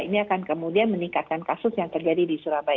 ini akan kemudian meningkatkan kasus yang terjadi di surabaya